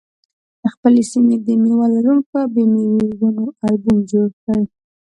د خپلې سیمې د مېوه لرونکو او بې مېوې ونو البوم جوړ کړئ.